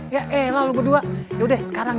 ya elah lo berdua yaudah sekarang ya